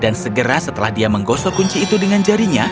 dan segera setelah dia menggosok kunci itu dengan jarinya